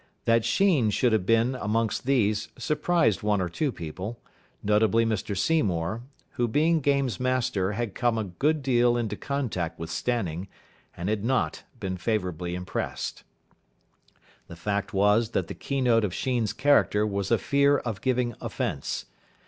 That Sheen should have been amongst these surprised one or two people, notably Mr Seymour, who, being games' master had come a good deal into contact with Stanning, and had not been favourably impressed. The fact was that the keynote of Sheen's character was a fear of giving offence.